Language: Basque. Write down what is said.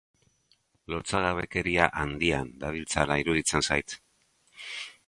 Lotsagabekeria handian dabiltzala iruditzen zait.